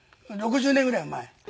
６０年ぐらい前。